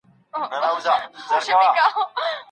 که ښځې روغې وي نو ټولنه روغیږي.